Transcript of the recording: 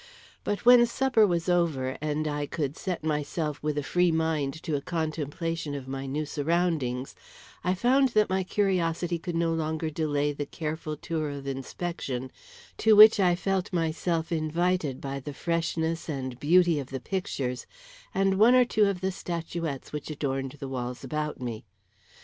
But when supper was over, and I could set myself with a free mind to a contemplation of my new surroundings, I found that my curiosity could no longer delay the careful tour of inspection to which I felt myself invited by the freshness and beauty of the pictures, and one or two of the statuettes which adorned the walls about me.